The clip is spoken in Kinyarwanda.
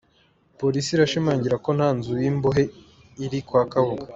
Polisi irashimangira ko nta nzu y’imbohe iri kwa Kabuga